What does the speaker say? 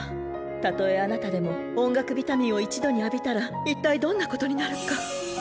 たとえあなたでも音楽ビタミンを一度に浴びたら一体どんなことになるか。